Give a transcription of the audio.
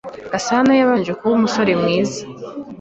Gasana yabanje kuba umusore mwiza.